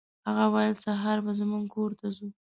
هغه ویل سهار به زموږ کور ته ځو.